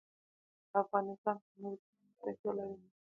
افغانستان په نورستان باندې تکیه لري.